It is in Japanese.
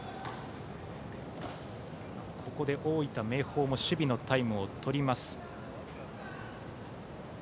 ここで大分・明豊も守備のタイムを取ります。